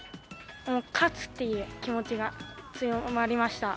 勝つっていう気持ちが強まりました。